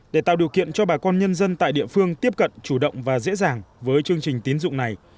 để tạo điều kiện cho bà con nhân dân tại địa phương tiếp cận chủ động và dễ dàng với chương trình tín dụng này